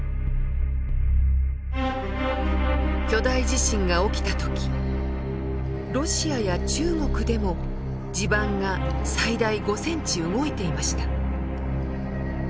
巨大地震が起きた時ロシアや中国でも地盤が最大５センチ動いていました。